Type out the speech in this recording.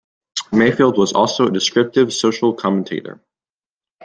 Mayfield was also a descriptive social commentator.